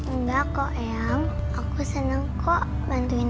enggak kok eang aku seneng kok bantuin eang